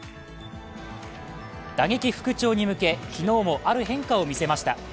打撃復調に向け昨日もある変化を見せました。